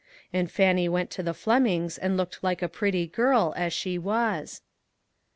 And Fannie went to the Flemings' and looked like a pretty girl, as she was.